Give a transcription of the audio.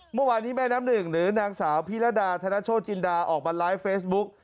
เมื่อวานนี้แม่น้ำหนึ่งหรือนางสาวพิรดาธนโชจินดาออกมาไลฟ์เฟซบุ๊ก